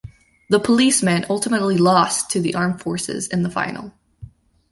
The policemen ultimately lost to the Armed Forces in the final.